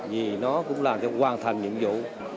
vì nó cũng làm cho hoàn thành nhiệm vụ